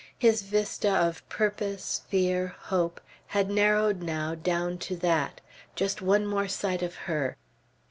His vista of purpose, fear, hope, had narrowed now down to that, just one more sight of her.